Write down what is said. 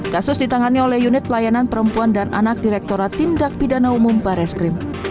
kasus ditangani oleh unit pelayanan perempuan dan anak direkturat tindak pidana umum barreskrim